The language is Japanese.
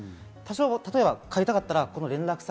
例えば帰りたかったら連絡先。